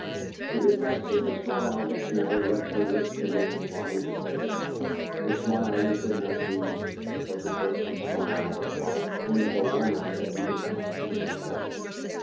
He did not see the smile which never left her lips again while he was there the smile he could not read, because it was the smile of life, and of a woman that he did not understand.